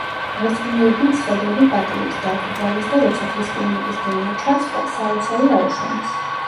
მორწმუნეებმა ცხედრები პატივით დაკრძალეს და როცა ქრისტიანების დევნა ჩაცხრა, სალოცავი აუშენეს.